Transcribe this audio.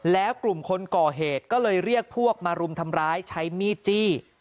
แล้วกลุ่มคนก่อเหตุก็เลยเรียกพวกมารุมทำร้ายใช้มีดจี้